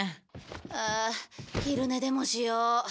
ああ昼寝でもしよう。